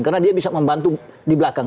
karena dia bisa membantu di belakang